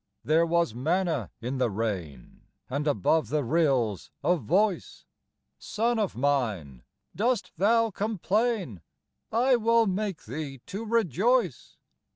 There was manna in the rain; And above the rills, a voice: "Son of mine, dost thou complain? I will make thee to rejoice.